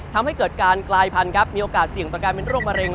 ทำให้เกิดการกลายพันธุ์มีโอกาสเสี่ยงประการเป็นโรคมะเร็